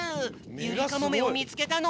ユリカモメをみつけたの？